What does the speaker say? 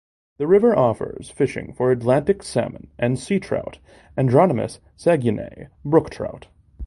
The river offers fishing for Atlantic salmon and sea trout (anadromous Saguenay brook trout).